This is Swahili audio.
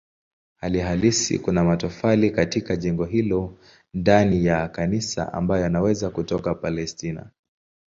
Hali halisi kuna matofali katika jengo hilo ndani ya kanisa ambayo yanaweza kutoka Palestina.